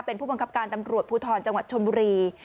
เป็นผู้บังคับการตำรวจภูทรจังหวัดชนบุรี